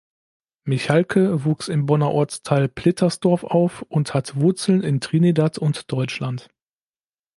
Michalke wuchs im Bonner Ortsteil Plittersdorf auf und hat Wurzeln in Trinidad und Deutschland.